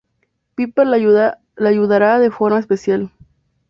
Piper le ayudará de forma especial.